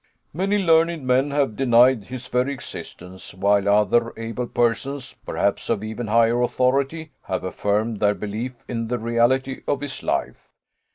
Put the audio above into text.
Many learned men have denied his very existence, while other able persons, perhaps of even higher authority, have affirmed their belief in the reality of his life.